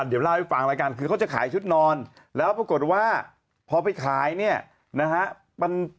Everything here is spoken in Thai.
เดี๋ยวเล่าให้ฟังแล้วกันคือเขาจะขายชุดนอนแล้วปรากฏว่าพอไปขายเนี่ยนะฮะ